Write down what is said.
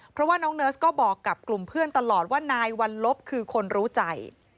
เพราะว่าน้องเนิร์สก็บอกกับกลุ่มเพื่อนตลอดว่านายวัลลบคือคนรู้ใจ